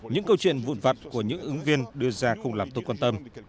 những câu chuyện vụn vặt của những ứng viên đưa ra không làm tôi quan tâm